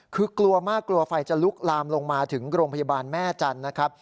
คือกลัวมากกลัวไฟจะลุกลามลงมาถึงโรงพยาบาลแม่จันทร์นะครับ